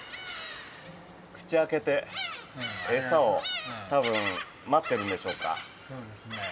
口開けて餌を多分待ってるんでしょうか。